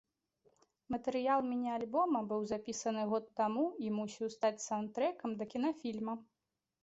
Матэрыял міні-альбома быў запісаны год таму і мусіў стаць саўнд-трэкам да кінафільма.